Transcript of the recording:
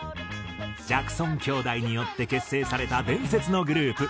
ジャクソン兄弟によって結成された伝説のグループ